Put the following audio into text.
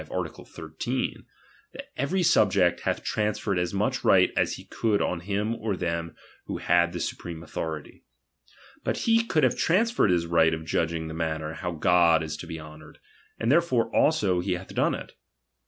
art. 13, that every sub ject hath transferred as much right as he could on him or them who had the supreme authority. But he could have transferred his right of judging the manner how God is to be honoured; and therefore also he hath done it.